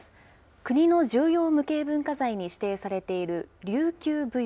国の重要無形文化財に指定されている琉球舞踊。